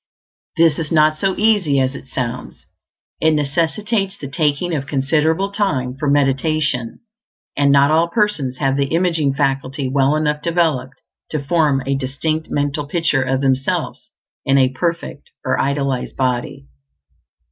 This is not so easy as it sounds; it necessitates the taking of considerable time for meditation, and not all persons have the imaging faculty well enough developed to form a distinct mental picture of themselves in a perfect or idealized body.